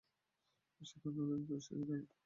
সে কারনুলে নতুন এসেছে, তাই আপনার সম্বন্ধে ধারণা নেই।